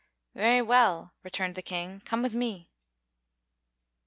"Very well," returned the King; "come with me."